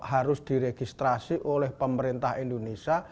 harus diregistrasi oleh pemerintah indonesia